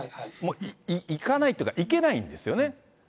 行かないっていうか、行けないんですよね。